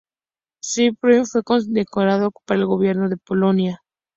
Szpilman fue condecorado por el gobierno de Polonia.